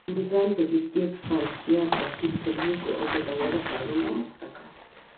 ځان په جديت، فعاليتا، ترتيب په نيکو او ګټورو کارونو اموخته کړه.